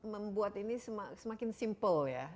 membuat ini semakin simpel ya